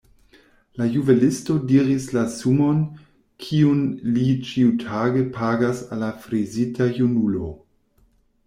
La juvelisto diris la sumon, kiun li ĉiutage pagas al la frizita junulo.